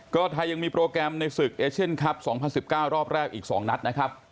ก็ไทยยังมีโปรแกรมในศึกเอเชียนคลับ๒๐๑๙รอบแรกอีก๒นัดนะครับ